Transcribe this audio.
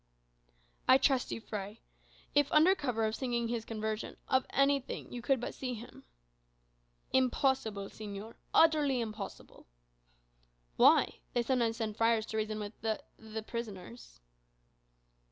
"I trust you, Fray. If under cover of seeking his conversion, of anything, you could but see him." "Impossible, señor utterly impossible." "Why? They sometimes send friars to reason with the the prisoners."